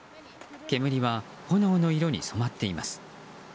煙は炎の色に染まっています。